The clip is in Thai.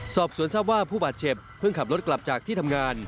สอบสวนทราบว่าผู้บาดเจ็บเพิ่งขับรถกลับจากที่ทำงาน